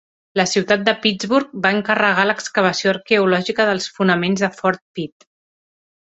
La ciutat de Pittsburgh va encarregar l'excavació arqueològica dels fonaments de Fort Pitt.